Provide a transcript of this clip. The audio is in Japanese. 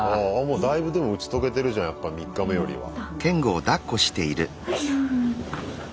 だいぶでも打ち解けてるじゃないやっぱ３日目よりは。